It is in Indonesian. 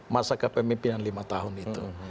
masa kepemimpinan lima tahun itu